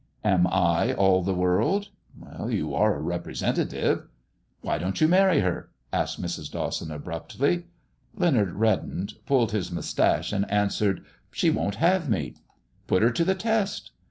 " Am I all the world ?"" You are a representative." "Why don't you marry herl" asked Mrs. Dawson, abruptly. Leonard reddened, pulled his moustache, and answered— " She won't have me." " Put her to the test."